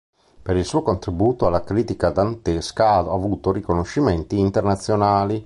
Per il suo contributo alla critica dantesca ha avuto riconoscimenti internazionali.